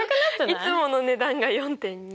いつもの値段が４．２。